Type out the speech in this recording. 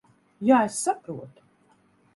Jā, es saprotu.